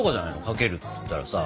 かけるっていったらさ。